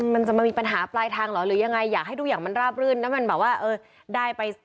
มันจะมามีปัญหาปลายทางเหรอหรือยังไงอยากให้ทุกอย่างมันราบรื่นแล้วมันแบบว่าเออได้ไป